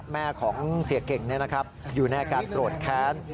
แม่ของเสียเก่งนะครับอยู่แน่การโกรธแค้น